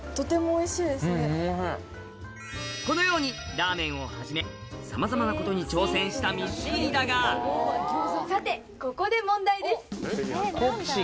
このようにラーメンをはじめさまざまなことに挑戦した光圀だがさて。